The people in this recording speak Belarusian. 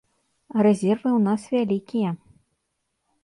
Рэзервы ў нас вялікія.